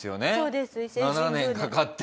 ７年かかって。